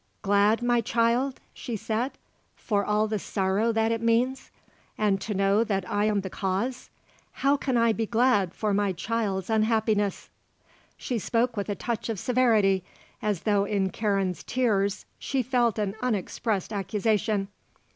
"Glad, my child?" she said. "For all the sorrow that it means? and to know that I am the cause? How can I be glad for my child's unhappiness?" She spoke with a touch of severity, as though in Karen's tears she felt an unexpressed accusation.